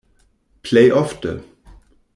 Plej ofte.